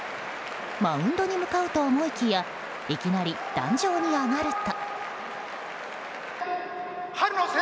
マウンドに向かうと思いきやいきなり壇上に上がると。